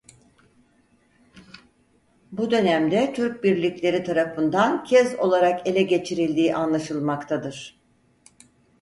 Bu dönemde Türk birlikleri tarafından kez olarak ele geçirildiği anlaşılmaktadır.